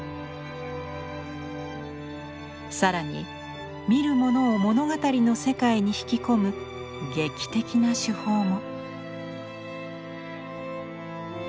更に見る者を物語の世界に引き込む劇的な手法も。